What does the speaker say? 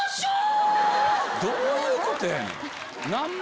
どういうことやねん！